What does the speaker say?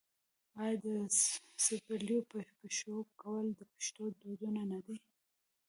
آیا د څپلیو په پښو کول د پښتنو دود نه دی؟